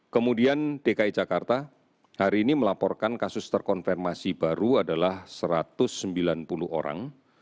kemudian dki jakarta hari ini melaporkan kasus terkonfirmasi baru adalah satu ratus sembilan puluh orang